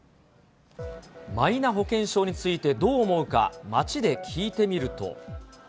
マイナ保険証についてどう思うか、街で聞いてみると。